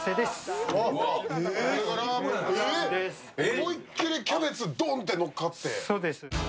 思い切りキャベツドンとのっかって。